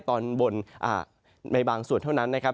ตอนบนในบางส่วนเท่านั้นนะครับ